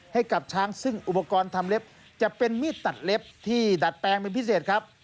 ให้กับช้างซึ่งอุปกรณ์ทำเล็บจะเป็นมีดตัดเล็บที่ดัดแปลงเป็นพิเศษครับ